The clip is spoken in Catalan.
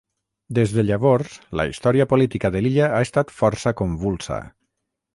Des de llavors la història política de l'illa ha estat força convulsa.